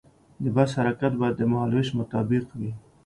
د بس حرکت باید د مهال ویش مطابق وي.